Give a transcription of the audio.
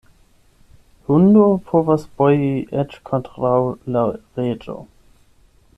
Hundo povas boji eĉ kontraŭ la reĝo.